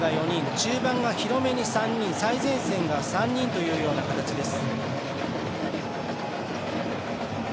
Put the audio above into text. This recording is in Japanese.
中盤が広めに３人、最前線が３人というような形です。